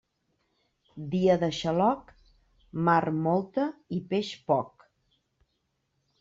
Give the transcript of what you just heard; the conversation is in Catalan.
Dia de xaloc, mar molta i peix poc.